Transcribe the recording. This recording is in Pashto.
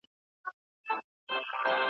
سپيني غوښي يې خوړلي تر سږمو وې .